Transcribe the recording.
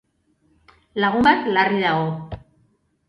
Lagun bat larri dago.